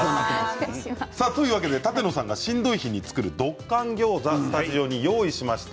舘野さんがしんどい日に作るドッカン・ギョーザスタジオに用意しました。